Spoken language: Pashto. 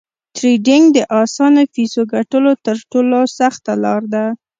ټریډینګ د اسانه فیسو ګټلو تر ټولو سخته لار ده